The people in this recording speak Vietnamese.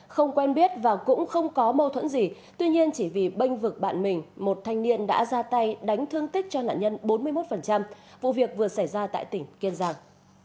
không quen biết và cũng không có mâu thuẫn gì tuy nhiên chỉ vì bênh vực bạn mình một thanh niên đã ra tay đánh thương tích cho nạn nhân bốn mươi một vụ việc vừa xảy ra tại tỉnh kiên giang